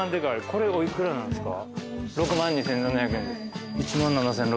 これお幾らなんですか？